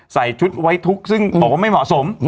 ใส่ชุดไว้ทุกข์ซึ่งบอกว่าไม่เหมาะสม